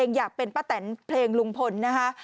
เพลงอยากเป็นป้าแตนเพลงลุงพลนะครับ